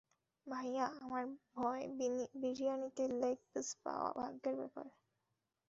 ভাইয়া, আমার ভয়-- বিরিয়ানিতে লেগ-পিস পাওয়া ভাগ্যের ব্যাপার।